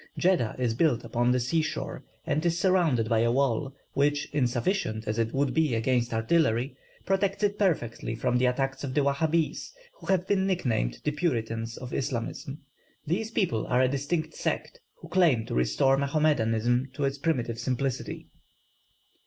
Jeddah is built upon the sea shore, and is surrounded by a wall, which, insufficient as it would be against artillery, protects it perfectly from the attacks of the Wahabees, who have been nicknamed the "Puritans of Islamism." These people are a distinct sect, who claim to restore Mahomedanism to its primitive simplicity.